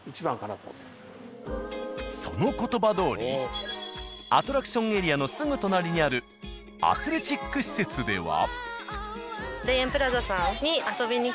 その言葉どおりアトラクションエリアのすぐ隣にあるアスレチック施設では。